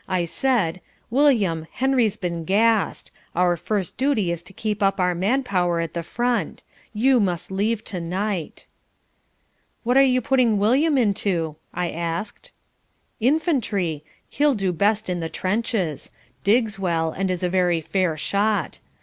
I said, 'William, Henry's been gassed. Our first duty is to keep up our man power at the front. You must leave to night.'" "What are you putting William into?" I asked "Infantry. He'll do best in the trenches, digs well and is a very fair shot.